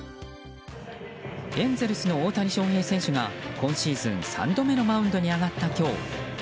エンゼルスの大谷翔平選手が今シーズン、３度目のマウンドに上がった今日。